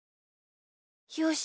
よし。